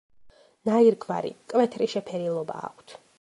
ნაირგვარი, მკვეთრი შეფერილობა აქვთ.